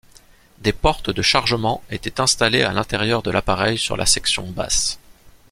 Des portes de chargement étaient installées à l'arrière de l'appareil sur la section basse.